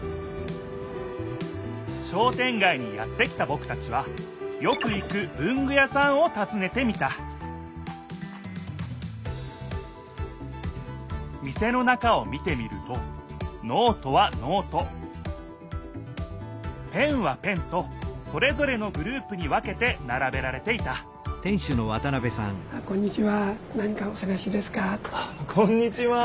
商店街にやって来たぼくたちはよく行く文具屋さんをたずねてみた店の中を見てみるとノートはノートペンはペンとそれぞれのグループに分けてならべられていたこんにちは。